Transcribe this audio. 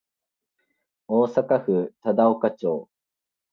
大阪府忠岡町